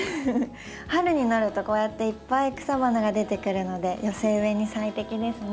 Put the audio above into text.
春になるとこうやっていっぱい草花が出てくるので寄せ植えに最適ですね。